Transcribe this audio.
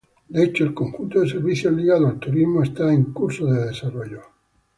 De hecho, el conjunto de servicios ligados al turismo, está en curso de desarrollo.